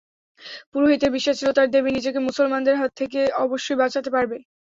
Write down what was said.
পুরোহিতের বিশ্বাস ছিল, তার দেবী নিজেকে মুসলমানদের হাত থেকে অবশ্যই বাঁচাতে পারবে।